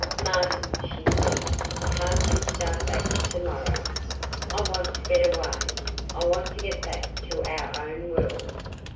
"Martin," she said, "can't we start back tomorrow? I want to get away. I want to get back to our own world."